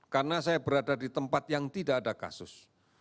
karena saya berada di tempat yang tidak ada kasus